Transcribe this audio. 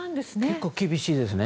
結構厳しいですね。